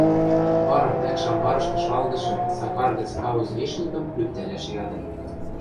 Вара вӓкш амбарышты шалгышы Сакар гӹц кауз вешникӹм лӱктӓлӓш ядын.